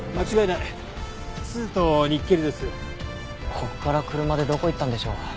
ここから車でどこ行ったんでしょう？